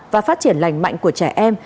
và phát triển lành mạnh của trẻ em